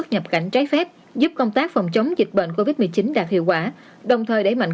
nhập cảnh trái phép giúp công tác phòng chống dịch bệnh covid một mươi chín đạt hiệu quả đồng thời đẩy mạnh